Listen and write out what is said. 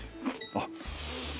あっ！